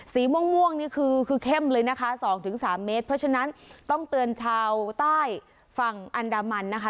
สีม่วงนี่คือคือเข้มเลยนะคะ๒๓เมตรเพราะฉะนั้นต้องเตือนชาวใต้ฝั่งอันดามันนะคะ